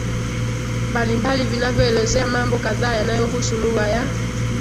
mbalimbali vinavyoelezea mambo kadhaa yanayohusu lugha ya